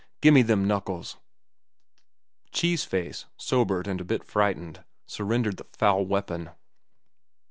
Gimme them knuckles." Cheese Face, sobered and a bit frightened, surrendered the foul weapon.